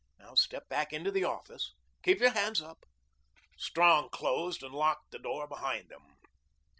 Now, step back into the office. Keep your hands up." Strong closed and locked the door behind them.